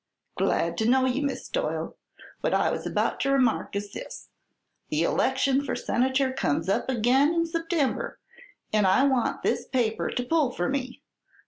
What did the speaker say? "Glad to know you, Miss Doyle. What I was about to remark is this: The election for senator comes up agin in September and I want this paper to pull for me.